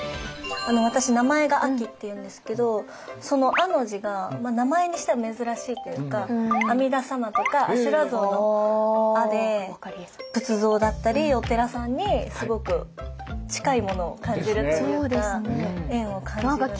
私名前が「阿紀」っていうんですけどその「阿」の字が名前にしては珍しいっていうか阿弥陀様とか阿修羅像の「阿」で仏像だったりお寺さんにすごく近いものを感じるっていうか縁を感じるので。